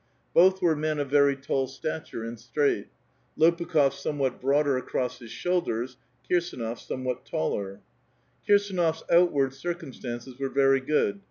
Both were men of very '^ll stature, and straight ; Lopukh6f somewhat broader across iijs shoulders, Kirsdnof somewhat taller. Kir8an6f's outward circumstances were very good.